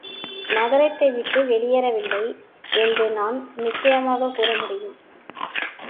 நகரத்தைவிட்டு வெளியேறவில்லை என்று நான் நிச்சயமாக கூறமுடியும்.